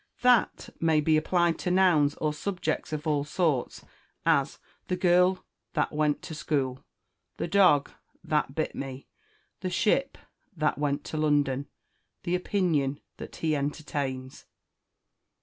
That may be applied to nouns or subjects of all sorts; as, the girl that went to school, the dog that bit me, the ship that went to London, the opinion that he entertains.